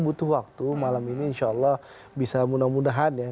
butuh waktu malam ini insya allah bisa mudah mudahan ya